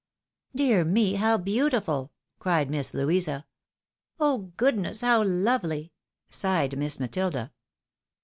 " Dear me ! how beautiful !" cried Miss Louisa. "Oh! goodness! how lovely!" sighed Miss Matilda.